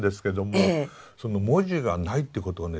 その文字がないってことはね